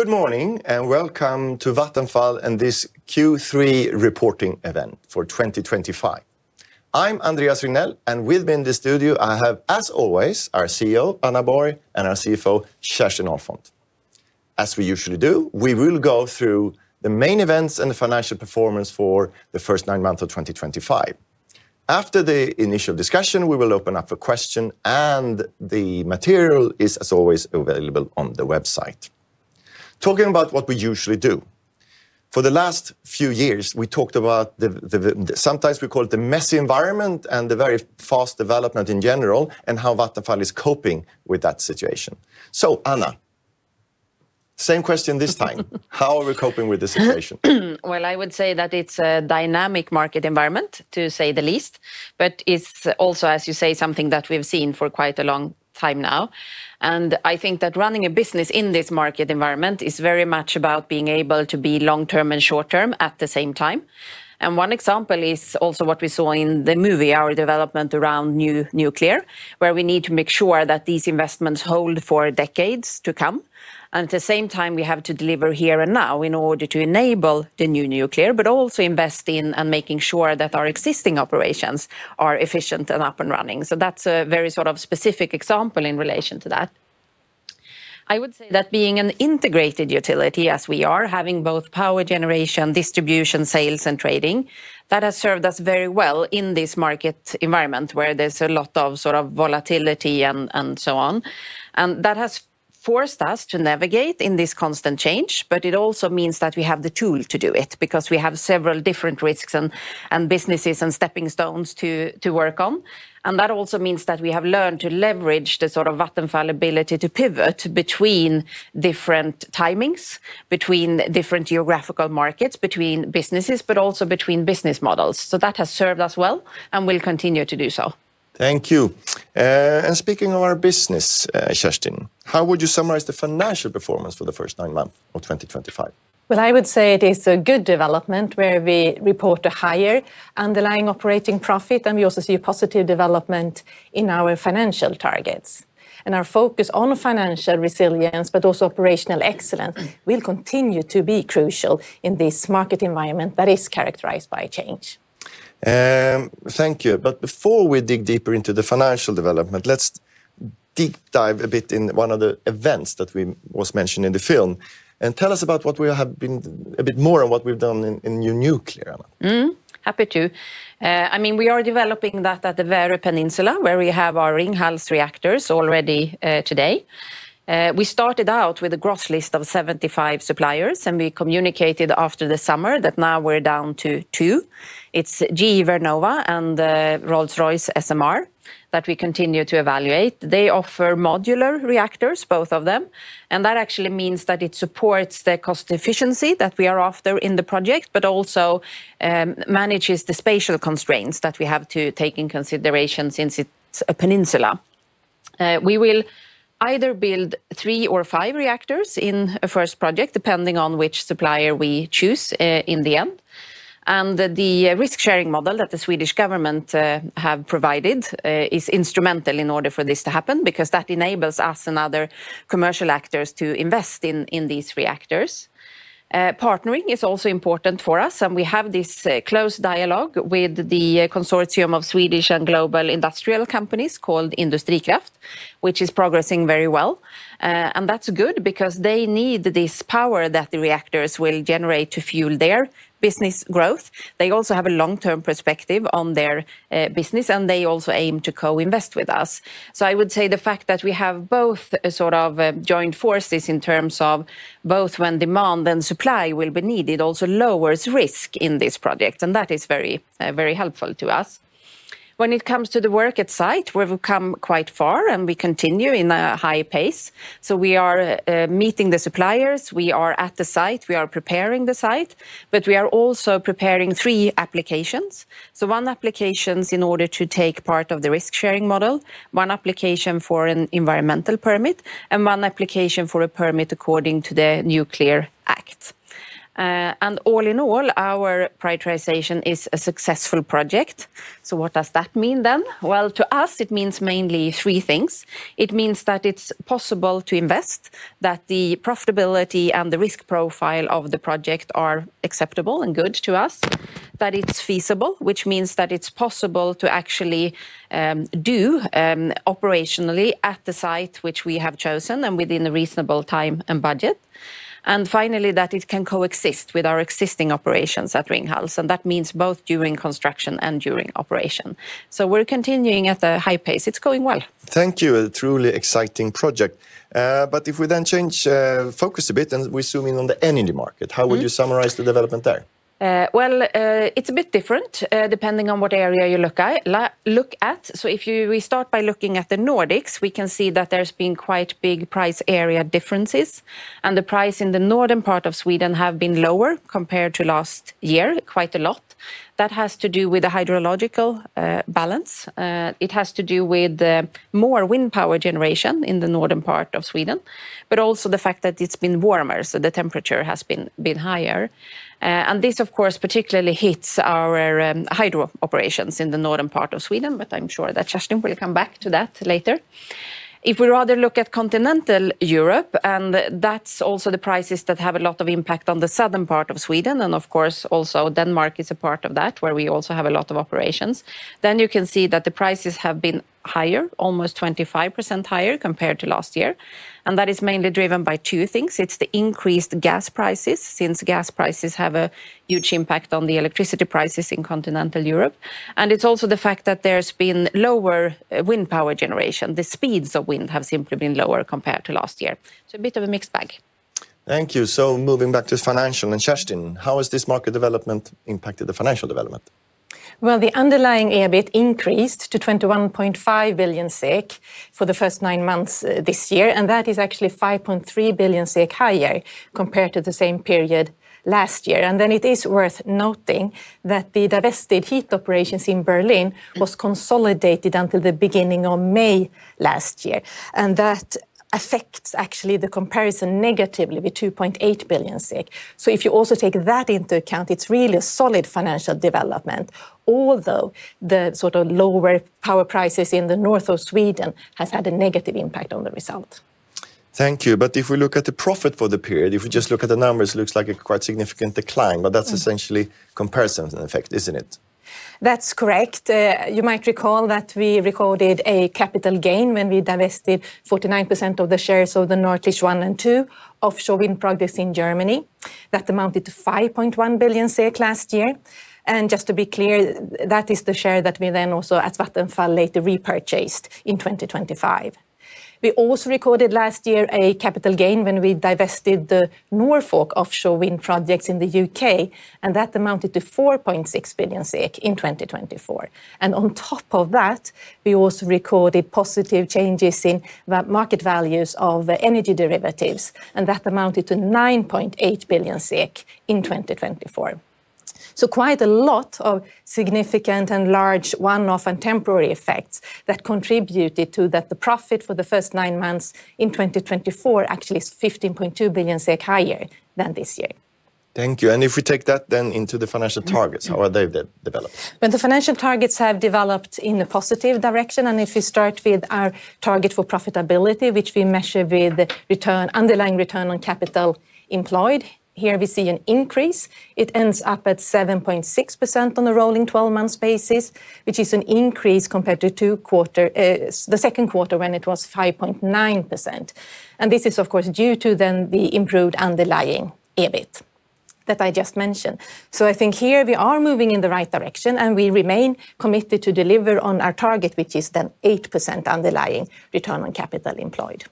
Good morning and welcome to Vattenfall and this Q3 reporting event for 2025. I'm Andreas Regnell and with me in the studio, I have, as always, our CEO Anna Borg and our CFO Kerstin Ahlfont. As we usually do, we will go through the main events and the financial performance for the first nine months of 2025. After the initial discussion, we will open up a question and the material is, as always, available on the website. Talking about what we usually do for the last few years, we talked about sometimes we call it the messy environment and the very fast development in general, and how Vattenfall is coping with that situation. Anna, same question this time. How are we coping with the situation? It is a dynamic market environment, to say the least. It is also, as you say, something that we've seen for quite a long time now. I think that running a business in this market environment is very much about being able to be long term and short term at the same time. One example is also what we saw in the movie, our development around new nuclear, where we need to make sure that these investments hold for decades to come. At the same time, we have to deliver here and now in order to enable the new nuclear, but also invest in and make sure that our existing operations are efficient and up and running. That is a very sort of specific example. In relation to that, I would say that being an integrated utility, as we are, having both power generation, distribution, sales, and trading, has served us very well in this market environment where there is a lot of volatility and so on. That has forced us to navigate in this constant change. It also means that we have the tool to do it because we have several different risks and businesses and stepping stones to work on. That also means that we have learned to leverage the sort of Vattenfall ability to pivot between different timings, between different geographical markets, between businesses, but also between business models. That has served us well and will continue to do so. Thank you. Speaking of our business, Justin, how would you summarize the financial performance for the first nine months of 2025? I would say it is a good development where we report a higher underlying operating profit, and we also see a positive development in our financial targets and our focus on financial resilience. Also, operational excellence will continue to be crucial in this market environment that is characterized by change. Thank you. Before we dig deeper into the financial development, let's deep dive a bit into one of the events that was mentioned in the film and tell us about what we have been a bit more and what we've done in new nuclear. Happy to. I mean, we are developing that at the Värö Peninsula where we have our Ringhals reactors already today. We started out with a gross list of 75 suppliers and we communicated after the summer that now we're down to two. It's GE Vernova and Rolls-Royce SMR that we continue to evaluate. They offer modular reactors, both of them, and that actually means that it supports the cost efficiency that we are after in the project, but also manages the spatial constraints that we have to take in consideration. Since it's a peninsula, we will either build three or five reactors in a first project, depending on which supplier we choose in the end. The risk sharing model that the Swedish government have provided is instrumental in order for this to happen because that enables us and other commercial actors to invest in these reactors. Partnering is also important for us and we have this close dialogue with the consortium of Swedish and global industrial companies called Industrikraft, which is progressing very well. That's good because they need this power that the reactors will generate to fuel their business growth. They also have a long term perspective on their business and they also aim to co-invest with us. I would say the fact that we have both sort of joined forces in terms of both when demand and supply will be needed also lowers risk in this project. That is very, very helpful to us. When it comes to the work at site, we've come quite far and we continue in a high pace. We are meeting the suppliers, we are at the site, we are preparing the site, but we are also preparing three applications. One application in order to take part of the risk sharing model, one application for an environmental permit and one application for a permit according to the Nuclear Act. All in all, our prioritization is a successful project. What does that mean then? It means mainly three things. It means that it's possible to invest, that the profitability and the risk profile of the project are acceptable and good to us, that it's feasible, which means that it's possible to actually do operationally at the site which we have chosen and within a reasonable time and budget. Finally, that it can coexist with our existing operations at Ringhals. That means both during construction and during operation. We're continuing at a high pace. It's going well. Thank you. Truly exciting project. If we then change focus a bit and we zoom in on the energy market, how would you summarize the development there? It's a bit different depending on what area you look at. If we start by looking at the Nordics, we can see that there's been quite big price area differences. The price in the northern part of Sweden has been lower compared to last year. Quite a lot of that has to do with the hydrological balance. It has to do with more wind power generation in the northern part of Sweden, but also the fact that it's been warmer, so the temperature has been higher. This of course particularly hits our hydro operations in the northern part of Sweden. I'm sure that Justin will come back to that later. If we rather look at continental Europe, and that's also the prices that have a lot of impact on the southern part of Sweden, and of course also Denmark is a part of that, where we also have a lot of operations, you can see that the prices have been higher, almost 25% higher compared to last year. That is mainly driven by two things. It's the increased gas prices, since gas prices have a huge impact on the electricity prices in continental Europe. It's also the fact that there's been lower wind power generation. The speeds of wind have simply been lower compared to last year. A bit of a mixed bag. Thank you. Moving back to financial and Kerstin, how has this market development impacted the financial development? The underlying EBIT increased to 21.5 billion SEK for the first nine months this year. That is actually 5.3 billion SEK higher compared to the same period last year. It is worth noting that the divested heat operations in Berlin were consolidated until the beginning of May last year, and that actually affects the comparison negatively with 2.8 billion. If you also take that into account, it's really a solid financial development. Also, although the sort of lower power prices in the north of Sweden have had a negative impact on the result. Thank you. If we look at the profit for the period, if we just look at the numbers, it looks like a quite significant decline. That is essentially a comparison effect, isn't it? That's correct. You might recall that we recorded a capital gain when we divested 49% of the shares of the Nordlicht 1 and 2 offshore wind projects in Germany. That amounted to 5.1 billion last year. Just to be clear, that is the share that we then also—that's what Vattenfall later repurchased in 2025. We also recorded last year a capital gain when we divested the Norfolk offshore wind projects in the U.K., and that amounted to 4.6 billion SEK in 2024. On top of that, we also recorded positive changes in market values of energy derivatives, and that amounted to 9.8 billion SEK in 2024. Quite a lot of significant and large one-off and temporary effects contributed to that. The profit for the first nine months in 2024 actually is 15.2 billion SEK higher than this year. Thank you. If we take that into the financial targets, how are they developed? The financial targets have developed in a positive direction. If we start with our target for profitability, which we measure with the underlying return on capital employed here, we see an increase. It ends up at 7.6% on a rolling 12 months basis, which is an increase compared to the second quarter when it was 5.9%. This is of course due to the improved underlying EBIT that I just mentioned. I think here we are moving in the right direction and we remain committed to deliver on our target, which is 8% underlying return on capital employed.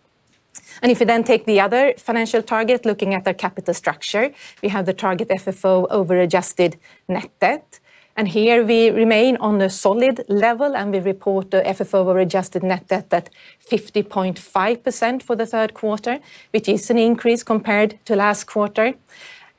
If you then take the other financial target, looking at the capital structure, we have the target FFO/adjusted net debt and here we remain on a solid level and we report the FFO/adjusted net debt at 50.5% for the third quarter, which is an increase compared to last quarter.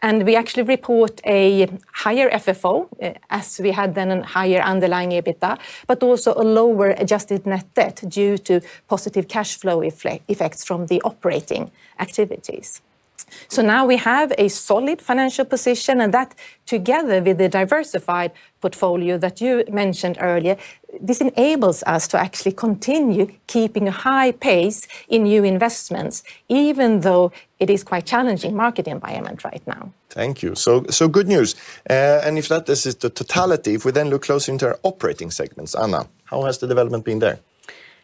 We actually report a higher FFO as we had a higher underlying EBITDA, but also a lower adjusted net debt due to positive cash flow effects from the operating activities. Now we have a solid financial position and that together with the diversified portfolio that you mentioned earlier, this enables us to actually continue keeping a high pace in new investments, even though it is quite a challenging market environment right now. Thank you. Good news. If that is the totality, if we then look closely into our operating segments, Anna, how has the development been there?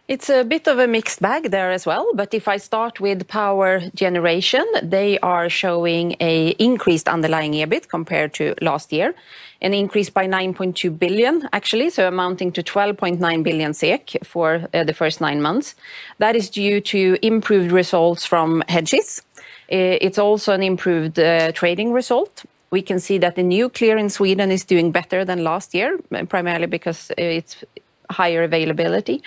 It's a bit of a mixed bag there as well. If I start with power generation, they are showing an increased underlying EBIT compared to last year. An increase by 9.2 billion actually, so amounting to 12.9 billion SEK for the first nine months. That is due to improved results from hedges. It's also an improved trading result. We can see that the nuclear in Sweden is doing better than last year, primarily because it's higher availability.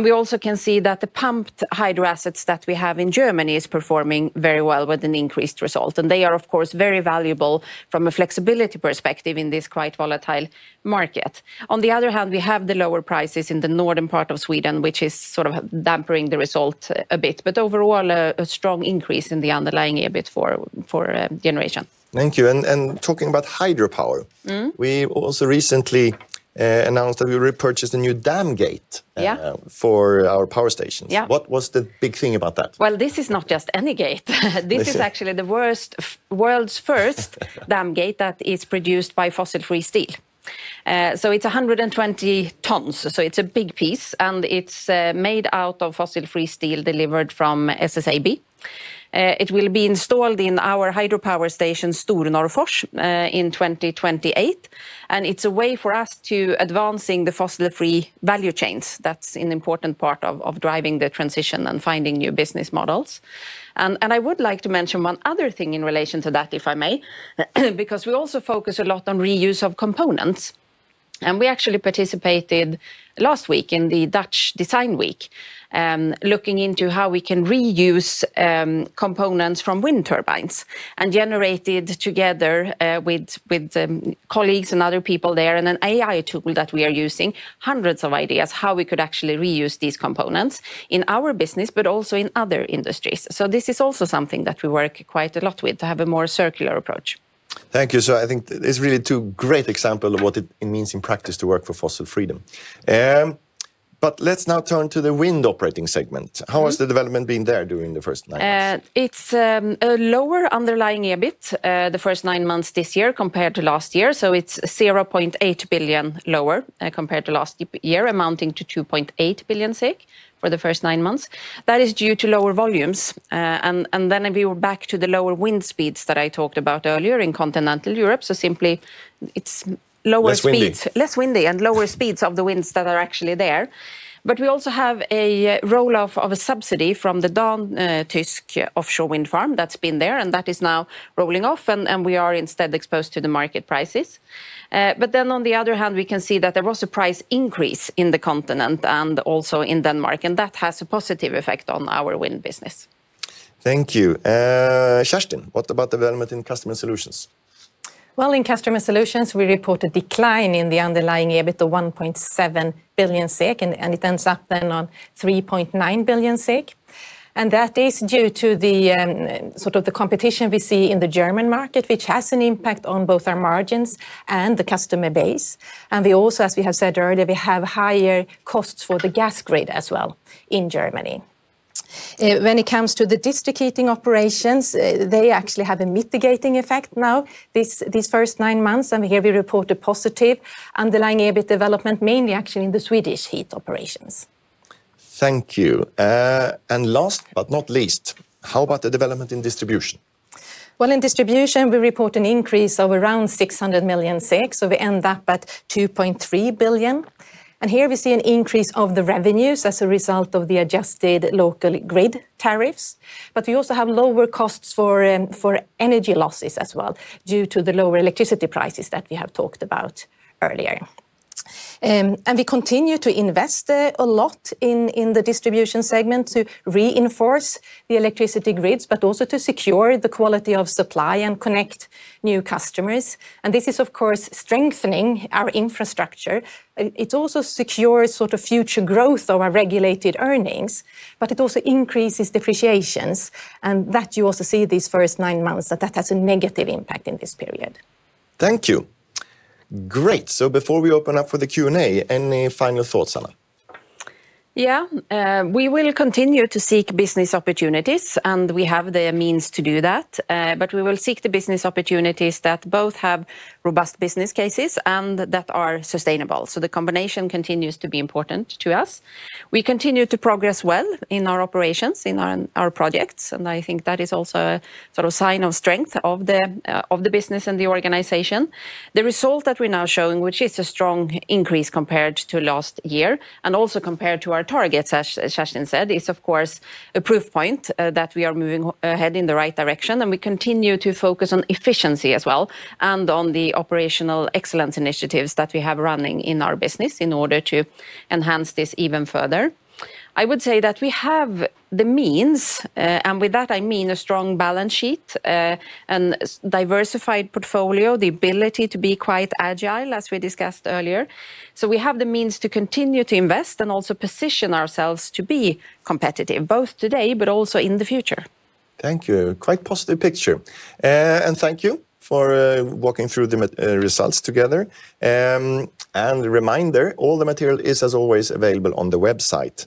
We also can see that the pumped hydro assets that we have in Germany are performing very well with an increased result, and they are of course very valuable from a flexibility perspective in this quite volatile market. On the other hand, we have the lower prices in the northern part of Sweden, which is sort of dampening the result a bit. Overall, a strong increase in the underlying EBIT for generation. Thank you. Talking about hydropower, we also recently announced that we repurchased a new dam gate for our power stations. What was the big thing about that? This is not just any gate, this is actually the world's first dam gate that is produced by fossil-free steel. It's 120 tons, so it's a big piece and it's made out of fossil-free steel delivered from SSAB. It will be installed in our hydropower station Stornorrfors in 2028 and it's a way for us to advance the fossil-free value chains. That's an important part of driving the transition and finding new business models. I would like to mention one other thing in relation to that, if I may, because we also focus a lot on reuse of components and we actually participated last week in the Dutch Design Week looking into how we can reuse components from wind turbines and generated together with colleagues and other people there and an AI tool that we are using hundreds of ideas how we could actually reuse these components in our business, but also in other industries. This is also something that we work quite a lot with to have a more circular approach. Thank you. I think it's really two great examples of what it means in practice to work for fossil freedom. Let's now turn to the wind operating segment. How has the development been there during the first nine years? It's lower underlying EBIT the first nine months this year compared to last year. It's 0.8 billion lower compared to last year, amounting to 2.8 billion for the first nine months. That is due to lower volumes. We were back to the lower wind speeds that I talked about earlier in continental Europe. It's lower speeds, less windy, and lower speeds of the winds that are actually there. We also have a roll off of a subsidy from the Don Tusk offshore wind farm that's been there and that is now rolling off and we are instead exposed to the market prices. On the other hand, we can see that there was a price increase in the continent and also in Denmark and that has a positive effect on our wind business. Thank you. Kerstin, what about development in Customer Solutions? In Customer Solutions, we report a decline in the underlying EBITDA of 1.7 billion SEK, and it ends up then at 3.9 billion SEK. That is due to the sort of competition we see in the German market, which has an impact on both our margins and the customer base. We also, as we have said earlier, have higher costs for the gas grid as well in Germany. When it comes to the district heating operations, they actually have a mitigating effect now these first nine months. Here we report a positive underlying EBITDA development, mainly actually in the Swedish heat operations. Thank you. Last but not least, how about the development in distribution? In distribution, we report an increase of around 600 million, so we end up at 2.3 billion. Here we see an increase of the revenues as a result of the adjusted local grid tariffs. We also have lower costs for energy losses as well due to the lower electricity prices that we have talked about earlier. We continue to invest a lot in the distribution segment to reinforce the electricity grids, but also to secure the quality of supply and connect new customers. This is of course strengthening our infrastructure. It also secures sort of future growth of our regulated earnings, but it also increases depreciations. You also see these first nine months that that has a negative impact in this period. Thank you. Great. Before we open up for the Q&A, any final thoughts, Anna? We will continue to seek business opportunities and we have the means to do that, but we will seek the business opportunities that both have robust business cases and that are sustainable. The combination continues to be important to us. We continue to progress well in our operations, in our projects. I think that is also a sort of sign of strength of the business and the organization. The result that we're now showing, which is a strong increase compared to last year and also compared to our targets, as Kerstin said, is of course a proof point that we are moving ahead in the right direction. We continue to focus on efficiency as well and on the operational excellence initiatives that we have running in our business in order to enhance this even further. I would say that we have the means and with that, I mean a strong balance sheet and diversified portfolio, the ability to be quite agile as we discussed earlier. We have the means to continue to invest and also position ourselves to be competitive both today, but also in the future. Thank you. Quite positive picture and thank you for walking through the results together. A reminder, all the material is as always available on the website.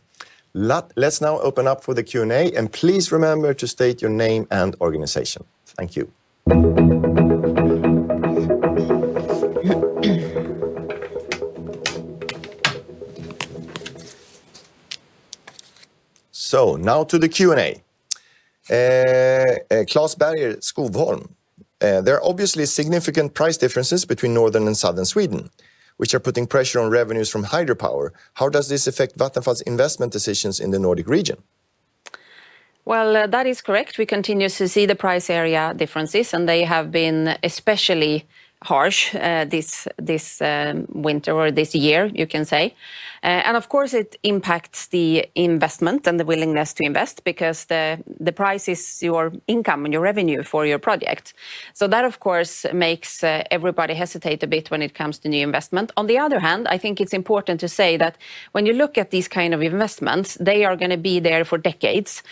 Let's now open up for the Q&A, and please remember to state your name and organization. Thank you. Now to the Q&A. There are obviously significant price differences between northern and southern Sweden, which are putting pressure on revenues from hydropower. How does this affect Vattenfall's investment decisions in the Nordic region? That is correct. We continue to see the price area differences, and they have been especially harsh this winter or this year, you can say. Of course, it impacts the investment and the willingness to invest because the price is your income and your revenue for your project. That, of course, makes everybody hesitate a bit when it comes to new investment. On the other hand, I think it's important to say that when you look at these kind of investments, they are going to be there for decades.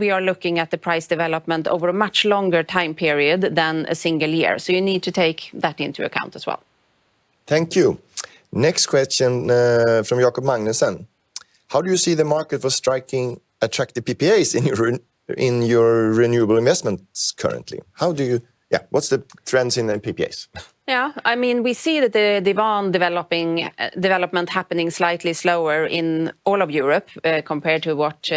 We are looking at the price development over a much longer time period than a single year, so you need to take that into account as well. Thank you. Next question from Jacob Magnusson. How do you see the market for striking attractive PPAs in your renewable investments currently? What's the trends in the PPAs? Yeah, I mean, we see that the demand development happening slightly slower in all of Europe compared to what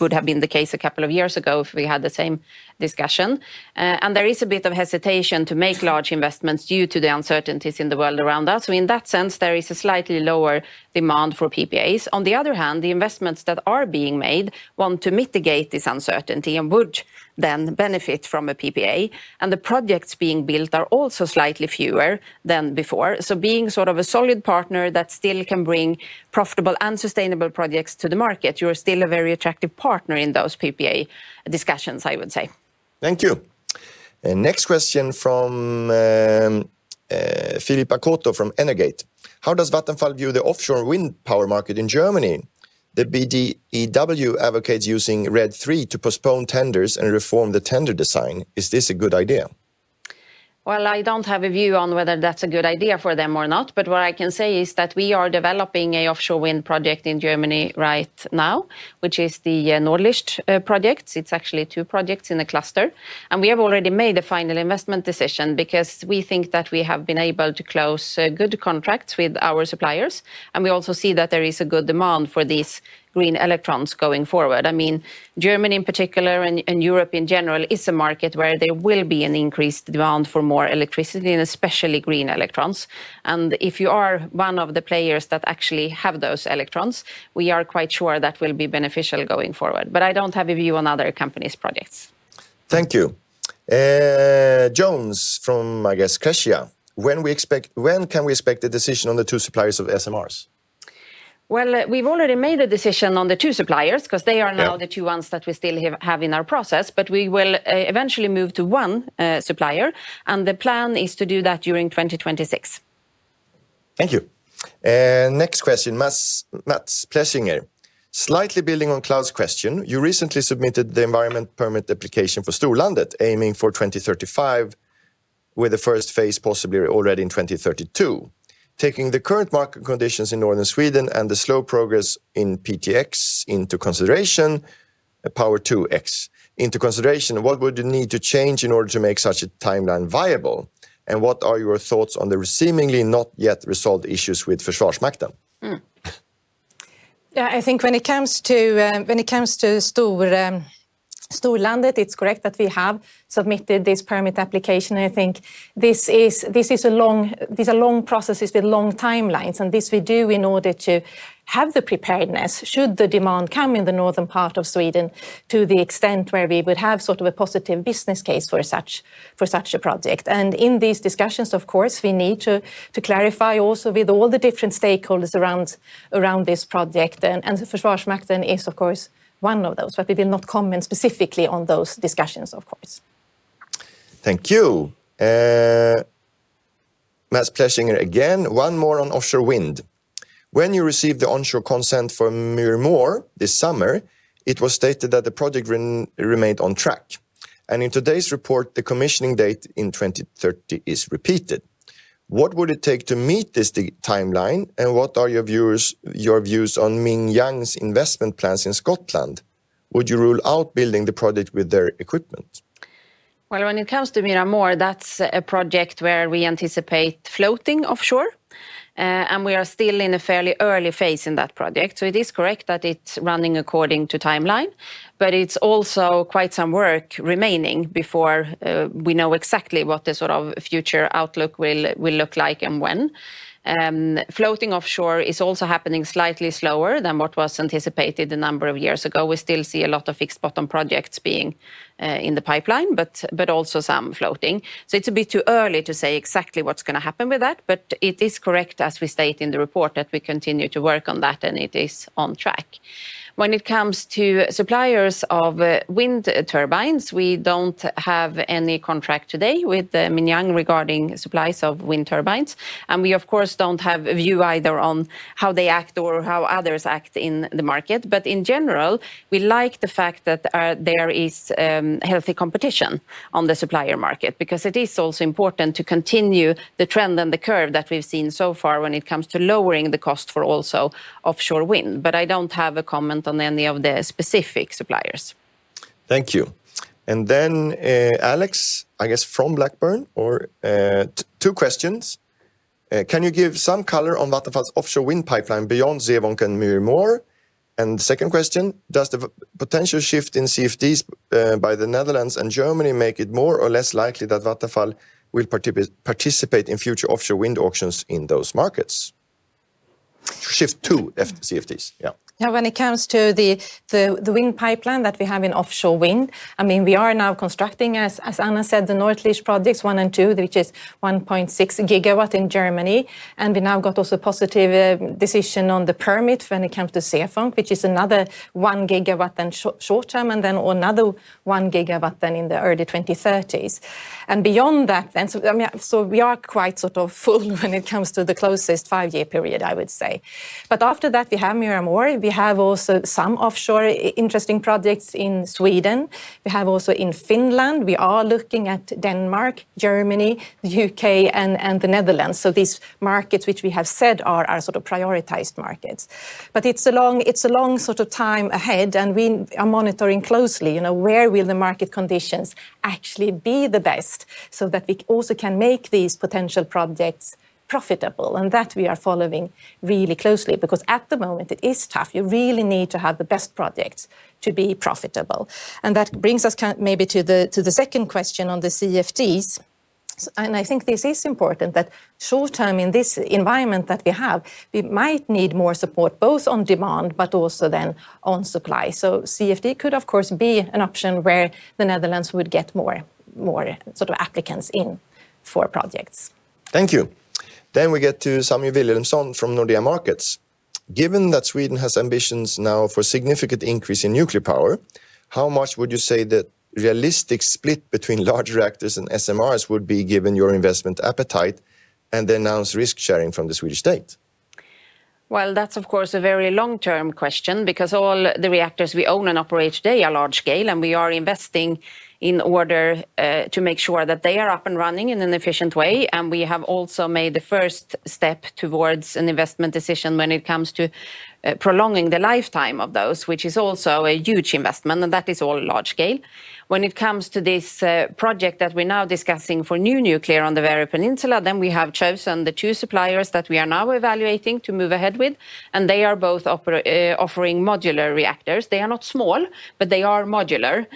would have been the case a couple of years ago if we had the same discussion. There is a bit of hesitation to make large investments due to the uncertainties in the world around us. In that sense, there is a slightly lower demand for PPAs. On the other hand, the investments that are being made want to mitigate this uncertainty and would then benefit from a PPA. The projects being built are also slightly fewer than before. Being sort of a solid partner that still can bring profitable and sustainable projects to the market, you are still a very attractive partner in those PPA discussions, I would say. Thank you. Next question from [Philippa Cotto] from Energet. How does Vattenfall view the offshore wind power market in Germany? The BDEW advocates using Red3 to postpone tenders and reform the tender design. Is this a good idea? I don't have a view on whether that's a good idea for them or not. What I can say is that we are developing an offshore wind project in Germany right now, which is the Nordlicht projects. It's actually two projects in a cluster. We have already made a final investment decision because we think that we have been able to close good contracts with our suppliers. We also see that there is a good demand for these green electrons going forward. Germany in particular and Europe in general is a market where there will be an increased demand for more electricity, especially green electrons. If you are one of the players that actually have those electrons, we are quite sure that will be beneficial going forward. I don't have a view on other companies' projects. Thank you. Jones from, I guess, Cassia. When can we expect a decision on the two suppliers of SMRs? We have already made a decision on the two suppliers because they are now the two ones that we still have in our process. We will eventually move to one supplier and the plan is to do that during 2026. Thank you. Next question. Matt Shlesinger. Slightly building on Cloud's question, you recently submitted the environmental permit application for Sturlandet aiming for 2035, with the first phase possibly already in 2032. Taking the current market conditions in Northern Sweden and the slow progress in PtX into consideration, Power2X into consideration, what would you need to change in order to make such a timeline viable? What are your thoughts on the seemingly not yet resolved issues with Fishwash Magda? I think when it comes to Stornorrfors it's correct that we have submitted this permit application. I think these are long processes with long timelines, and this we do in order to have the preparedness should the demand come in the northern part of Sweden to the extent where we would have sort of a positive business case for such a project. In these discussions, of course, we need to clarify also with all the different stakeholders around this project, and for SSAB is of course one of those, but we will not comment specifically on those discussions, of course. Thank you. Matt Shlesinger, again, one more on offshore wind. When you received the onshore consent for Miramar this summer, it was stated that the project remained on track, and in today's report the commissioning date in 2030 is repeated. What would it take to meet this timeline, and what are your views on Mingyang's investment plans in Scotland? Would you rule out building the project with their equipment? When it comes to Miramar, that's a project where we anticipate floating offshore and we are still in a fairly early phase in that project. It is correct that it's running according to timeline, but there's also quite some work remaining before we know exactly what the future outlook will look like and when. Floating offshore is also happening slightly slower than what was anticipated a number of years ago. We still see a lot of fixed bottom projects being in the pipeline, but also some floating. It's a bit too early to say exactly what's going to happen with that, but it is correct as we state in the report that we continue to work on that and it is on track. When it comes to suppliers of wind turbines, we don't have any contract today with Mingyang regarding supplies of wind turbines and we of course don't have a view either how they act or how others act in the market. In general, we like the fact that there is healthy competition on the supplier market because it is also important to continue the trend and the curve that we've seen so far when it comes to lowering the cost for also offshore wind. I don't have a comment on any of the specific suppliers. Thank you. Alex, I guess from Blackburn, two questions. Can you give some color on Vattenfall's offshore wind pipeline beyond Zeevonk and Miramar? Second question, does the potential shift in CFDs by the Netherlands and Germany make it more or less likely that Vattenfall will participate in future offshore wind auctions in those markets shift to CFDs? When it comes to the wind pipeline that we have in offshore wind? I mean we are now constructing, as Anna said, the Nordlicht projects 1 and 2, which is 1.6 GW in Germany. We now got also positive decision on the permit when it comes to Zeevonk, which is another 1 GW then short term and then another 1 GW then in the early 2030s and beyond that. We are quite sort of fullWhen it comes to the closest five year period, I would say. After that, we have Miramore. We have also some offshore interesting projects in Sweden. We have also in Finland. We are looking at Denmark, Germany, the U.K., and the Netherlands. These markets, which we have said are sort of prioritized markets, but it's a long sort of time ahead, and we are monitoring closely where will the market conditions actually be the best so that we also can make these potential projects profitable and that we are following really closely. At the moment, it is tough. You really need to have the best projects to be profitable. That brings us maybe to the second question on the CFDs. I think this is important that short term in this environment that we have, we might need more support both on demand but also then on supply. CFD could of course be an option where the Netherlands would get more sort of applicants in for projects. Thank you. We get to [Samuel Williamson] from Nordea Markets. Given that Sweden has ambitions now for significant increase in nuclear power, how much would you say that realistic split between large reactors and SMRs would be given your investment appetite and announced risk sharing from the Swedish state. That is of course a very long term question because all the reactors we own and operate today are large scale, and we are investing in order to make sure that they are up and running in an efficient way. We have also made the first step towards an investment decision when it comes to prolonging the lifetime of those, which is also a huge investment. That is all large scale. When it comes to this project that we're now discussing for new nuclear on the Värö Peninsula, we have chosen the two suppliers that we are now evaluating to move ahead with, and they are both offering modular reactors. They are not small, but they are modular,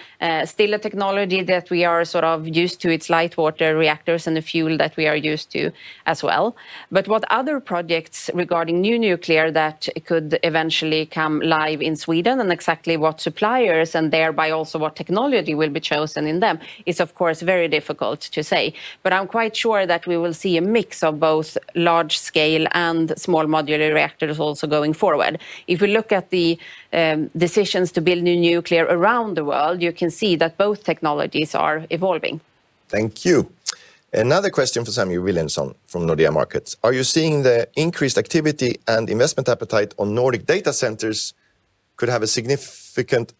still a technology that we are sort of used to, it's light water reactors and the fuel that we are used to as well. What other projects regarding new nuclear that could eventually come live in Sweden, and exactly what suppliers and thereby also what technology will be chosen in them, is of course very difficult to say. I'm quite sure that we will see a mix of both large scale and small modular reactors also going forward. If we look at the decisions to build new nuclear around the world, you can see that both technologies are evolving. Thank you. Another question for [Samuel Williamson] from Nordea Markets. Are you seeing the increased activity and investment appetite on Nordic data centers could have a significance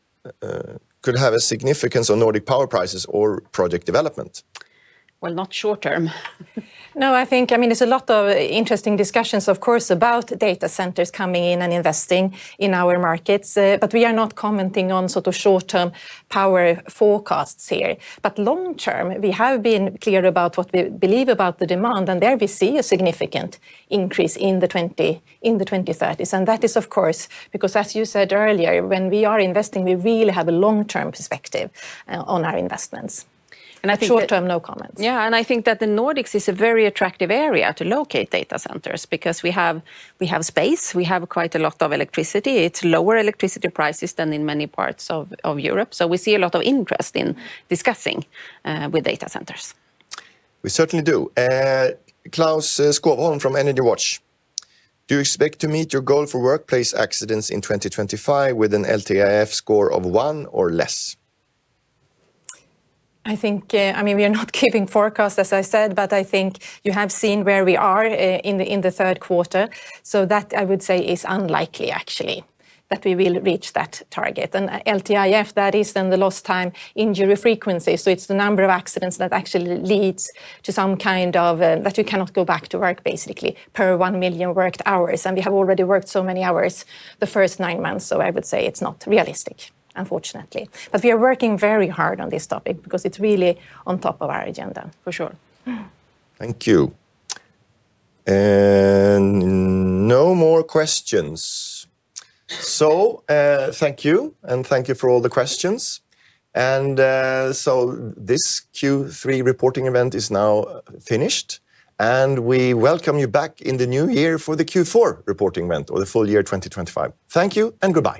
on Nordic power prices or project development? I think, I mean, there's a lot of interesting discussions of course about data centers coming in and investing in our markets, but we are not commenting on sort of short term power forecasts here. Long term we have been clear about what we believe about the demand and there we see a significant increase in the 2030s. That is of course, because as you said earlier, when we are investing, we really have a long term perspective on our investments. Short term, no comments. I think that the Nordics is a very attractive area to locate data centers because we have space, we have quite a lot of electricity. It's lower electricity prices than in many parts of Europe. We see a lot of interest in discussing with data centers. We certainly do. Claus Skovholm from EnergyWatch. Do you expect to meet your goal for workplace accidents in 2025 with an LTIF score of 1 or less? I think we are not keeping forecast, as I said, but I think you have seen where we are in the third quarter. I would say it is unlikely actually that we will reach that target and LTIF, that is then the lost time injury frequency. It is the number of accidents that actually leads to some kind of situation where you cannot go back to work, basically, per 1 million worked hours. We have already worked so many hours the first nine months. I would say it is not realistic, unfortunately. We are working very hard on this topic because it is really on top of our agenda for sure. Thank you and no more questions. Thank you for all the questions. This Q3 reporting event is now finished and we welcome you back in the New Year for the Q4 reporting event, or the full year 2025. Thank you and goodbye.